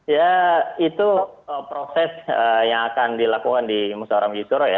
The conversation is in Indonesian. ya itu proses yang akan dilakukan di musaura majelis suro ya